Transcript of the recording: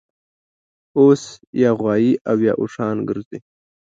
اوس یا غوایي اویا اوښان ګرځي